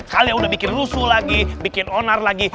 kalian udah bikin rusuh lagi bikin onar lagi